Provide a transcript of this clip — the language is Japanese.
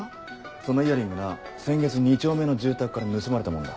そのイヤリングな先月２丁目の住宅から盗まれたものだ。